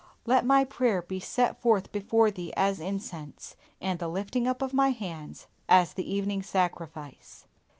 "LET MY PRAYER BE SET FORTH BEFORE THEE AS INCENSE: AND THE LIFTING UP OF MY HANDS AS THE EVENING SACRIFICE."